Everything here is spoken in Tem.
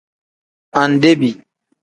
Andebi.